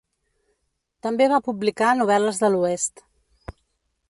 També va publicar novel·les de l'oest.